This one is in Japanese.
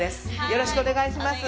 よろしくお願いします！